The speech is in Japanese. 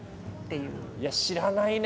いや知らないね。